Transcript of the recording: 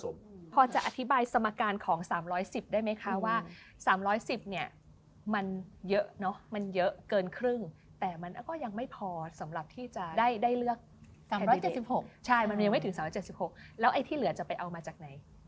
มันเยอะเนาะมันเยอะเกินครึ่งแต่มันก็ยังไม่พอสำหรับที่จะได้เลือก๓๗๖ใช่มันยังไม่ถึง๓๗๖แล้วไอ้ที่เหลือจะไปเอามาจากไหน